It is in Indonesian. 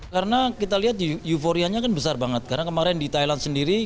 karena kita lihat euforianya kan besar banget karena kemarin di thailand sendiri